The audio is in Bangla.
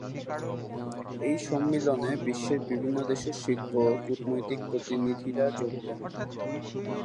এই সম্মিলনে বিশ্বের বিভিন্ন দেশের শিল্প ও কূটনৈতিক প্রতিনিধিরা যোগ দেন।